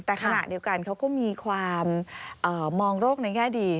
แต่ขณะเดียวกันเขาก็มีความมองโรคในแง่ดี